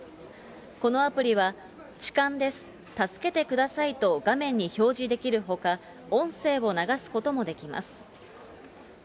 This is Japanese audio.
このアプリは痴漢です、助けてくださいと画面に表示できるほか、音声を流すこともできます。